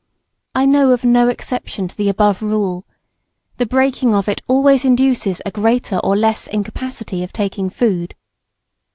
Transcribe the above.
I know of no exception to the above rule. The breaking of it always induces a greater or less incapacity of taking food.